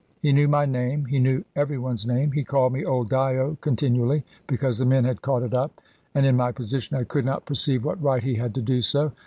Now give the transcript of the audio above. He knew my name; he knew every one's name; he called me "old Dyo," continually, because the men had caught it up; and in my position, I could not perceive what right he had to do so.